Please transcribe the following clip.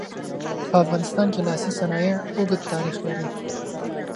په افغانستان کې لاسي صنایع اوږد تاریخ لري.